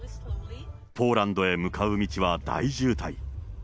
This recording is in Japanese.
ポーランドへ向かう道は大渋滞。